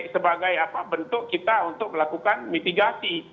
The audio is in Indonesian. sebagai bentuk kita untuk melakukan mitigasi